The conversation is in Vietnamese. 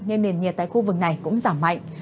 nên nền nhiệt tại khu vực này cũng giảm mạnh